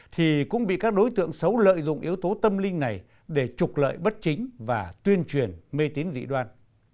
thì cũng bị các đối tượng xấu lợi dụng yếu tố tâm linh này để trục lợi bất chính và tuyên truyền mê tín dị đoan